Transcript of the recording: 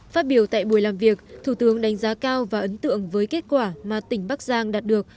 phát biểu tại buổi làm việc thủ tướng đánh giá cao và ấn tượng với kết quả mà tỉnh bắc giang đạt được